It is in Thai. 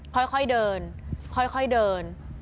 ค่อยเดินค่อยเดิน